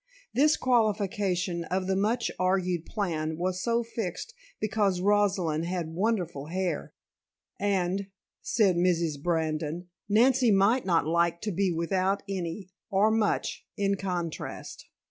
This qualification of the much argued plan was so fixed because Rosalind had wonderful hair and, said Mrs. Brandon, Nancy might not like to be without any, or much, in contrast.